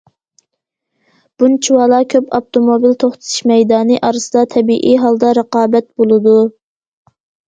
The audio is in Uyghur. بۇنچىۋالا كۆپ ئاپتوموبىل توختىتىش مەيدانى ئارىسىدا تەبىئىي ھالدا رىقابەت بولىدۇ.